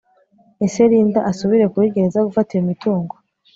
ESE LINDA ASUBIRE KURI GEREZA GUFATA IYO MITUNGO